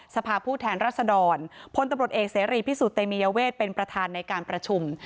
สภาพผู้แทนรัศดรพลตำรวจเอกเสรีพิสุทธิเตมียเวทเป็นประธานในการประชุม